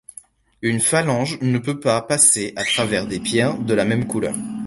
Une phalange ne peut pas passer à travers des pierres de la même couleur.